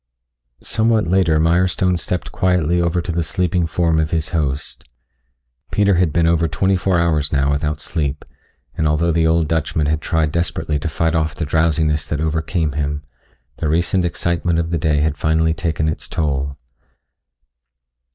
Somewhat later Mirestone stepped quietly over to the sleeping form of his host. Peter had been over twenty four hours now without sleep, and although the old Dutchman had tried desperately to fight off the drowsiness that overcame him, the recent excitement of the day had finally taken its toll.